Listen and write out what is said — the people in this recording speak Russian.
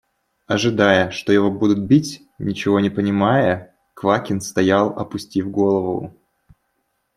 Ожидая, что его будут бить, ничего не понимая, Квакин стоял, опустив голову.